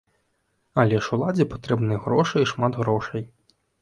Але ж уладзе патрэбныя грошы, і шмат грошай.